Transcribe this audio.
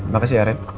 makasih ya ren